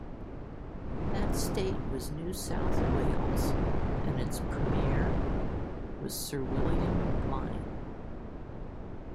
That state was New South Wales, and its premier was Sir William Lyne.